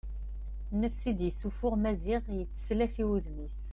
Nnefs i d-yessuffuɣ Maziɣ yetteslaf i wudem-is.